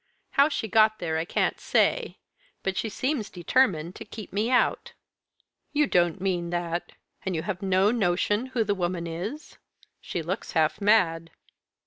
How she got there I can't say but she seems determined to keep me out." "You don't mean that! And have you no notion who the woman is? She looks half mad."